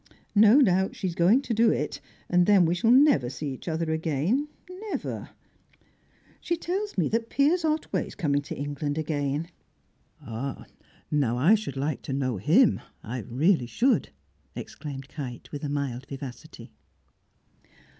No doubt she's going to do it, and then we shall never see each other again, never! She tells me that Piers Otway is coming to England again." "Oh, now I should like to know him, I really should!" exclaimed Kite, with a mild vivacity.